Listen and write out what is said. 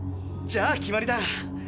じゃあ決まりだ！